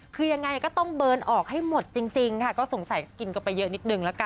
คือยังไงก็ต้องเบิร์นออกให้หมดจริงค่ะก็สงสัยกินกันไปเยอะนิดนึงละกัน